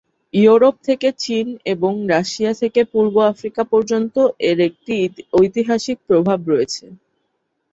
Europe থেকে চীন এবং রাশিয়া থেকে পূর্ব আফ্রিকা পর্যন্ত এর একটি ঐতিহাসিক প্রভাব রয়েছে।